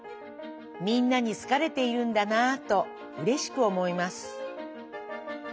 みんなにすかれているんだなぁとうれしくおもいます」。